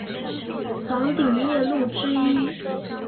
黄顶夜鹭之一。